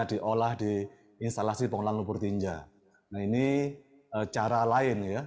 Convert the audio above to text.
diolah di instalasi pengelolaan lumpur tinja nah ini cara lain ya